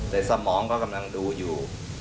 สมองก็กำลังดูอยู่